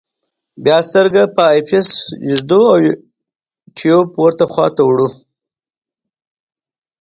بیا سترګه په آی پیس ږدو او ټیوب پورته خواته وړو.